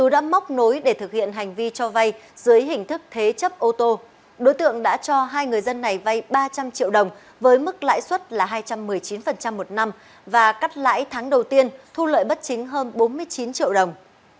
đối tượng đã cho hai người dân này vay ba trăm linh triệu đồng với mức lãi suất là hai trăm một mươi chín một năm và cắt lãi tháng đầu tiên thu lợi bất chính hơn bốn mươi chín triệu đồng